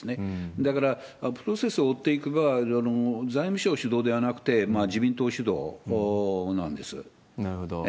だから、プロセスを追っていけば、財務省主導ではなくて、なるほど。